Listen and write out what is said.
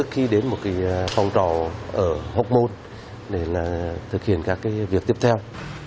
khi đến một cái phòng trọng ở hốc môn để là thực hiện các cái việc tiếp theo